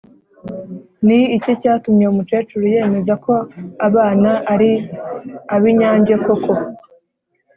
ni iki cyatumye umukecuru yemeza ko abana ari ab’inyange koko?